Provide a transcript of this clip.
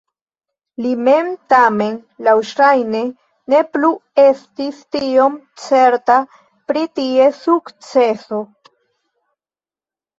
Li mem tamen laŭŝajne ne plu estis tiom certa pri ties sukceso.